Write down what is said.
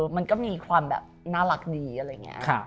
มันก็มีความแบบน่ารักดีอะไรอย่างนี้